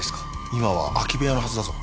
「今は空き部屋のはずだぞ」